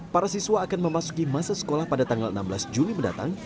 para siswa akan memasuki masa sekolah pada tanggal enam belas juli mendatang